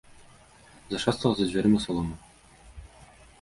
Зашастала за дзвярыма салома.